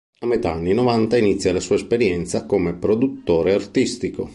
A metà anni novanta inizia la sua esperienza come produttore artistico.